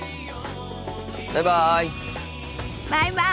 バイバイ。